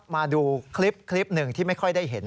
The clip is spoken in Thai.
มาดูคลิปหนึ่งที่ไม่ค่อยได้เห็น